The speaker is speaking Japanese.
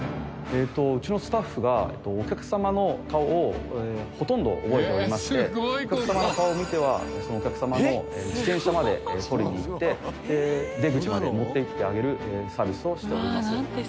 うちのスタッフがお客様の顔をほとんど覚えておりましてお客様の顔を見てはそのお客様の自転車まで取りに行って出口まで持っていってあげるサービスをしております。